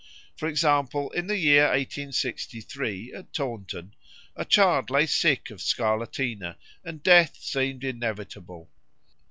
For example, in the year 1863, at Taunton, a child lay sick of scarlatina and death seemed inevitable.